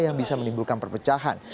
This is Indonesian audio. yang bisa menimbulkan perpecahan